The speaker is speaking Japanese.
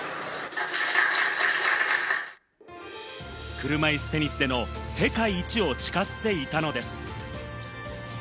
車いすテニスでの世界一を誓っていたのです。